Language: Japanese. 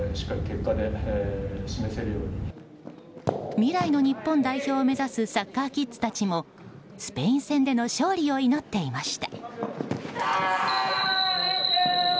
未来の日本代表を目指すサッカーキッズたちもスペイン戦での勝利を祈っていました。